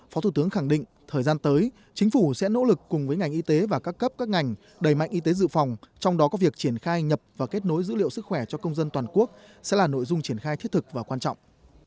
phó thủ tướng khẳng định thời gian tới chính phủ sẽ nỗ lực cùng với ngành y tế và các cấp các ngành đẩy mạnh y tế dự phòng trong đó có việc triển khai nhập và kết nối dữ liệu sức khỏe cho công dân toàn quốc sẽ là nội dung triển khai thiết thực và quan trọng